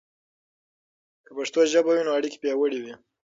که پښتو ژبه وي، نو اړیکې پياوړي وي.